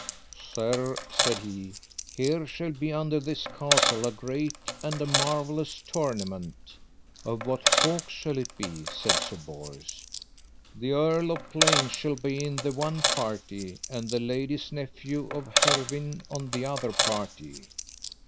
Sir, said he, here shall be under this castle a great and a marvellous tournament. Of what folks shall it be? said Sir Bors. The Earl of Plains shall be in the one party, and the lady's nephew of Hervin on the other party.